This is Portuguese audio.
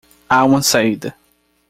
Há uma saída.